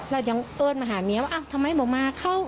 เรายังเอิ้นมาหาเมียว่าทำไมหมอมาเข้า